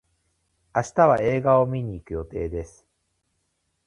明日は映画を見に行く予定です。